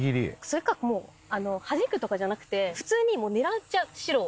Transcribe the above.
それかはじくとかじゃなくて普通に狙っちゃう白を。